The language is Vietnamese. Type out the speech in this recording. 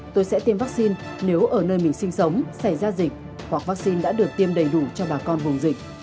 tôi sẽ tiêm vắc xin nếu ở nơi mình sinh sống xảy ra dịch hoặc vắc xin đã được tiêm đầy đủ cho bà con vùng dịch